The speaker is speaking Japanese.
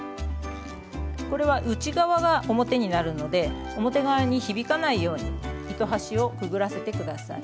これは内側が表になるので表側に響かないように糸端をくぐらせて下さい。